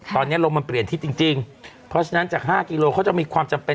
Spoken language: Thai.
ตอนนี้ลมมันเปลี่ยนทิศจริงเพราะฉะนั้นจาก๕กิโลเขาจะมีความจำเป็น